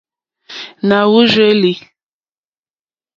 Na wurzeli.